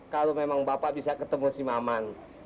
kalau memang bapak bisa ketemu si maman